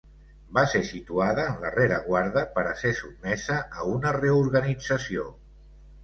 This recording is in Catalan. Va ser situada en la rereguarda per a ser sotmesa a una reorganització.